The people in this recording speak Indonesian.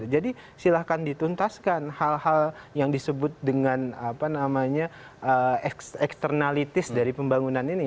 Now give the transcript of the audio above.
jadi silahkan dituntaskan hal hal yang disebut dengan apa namanya eksternalitis dari pembangunan ini